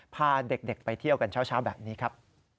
พาเด็กไปเที่ยวกันเช้าแบบนี้ครับ